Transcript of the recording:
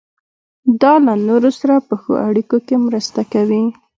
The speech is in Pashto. دا له نورو سره په ښو اړیکو کې مرسته کوي.